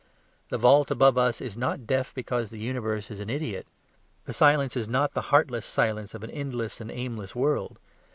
The vault above us is not deaf because the universe is an idiot; the silence is not the heartless silence of an endless and aimless world.